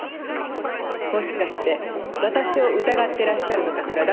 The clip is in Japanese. もしかして私を疑ってらっしゃるのかしら？